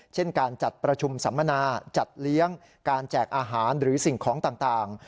เช่นการจัดประชุมสัมมนาจัดเลี้ยงการแจกอาหารหรือสิ่งของต่าง